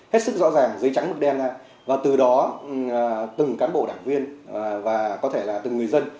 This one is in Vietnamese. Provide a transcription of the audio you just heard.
hết sức rõ ràng dưới trắng mực đen và từ đó từng cán bộ đảng viên và có thể là từng người dân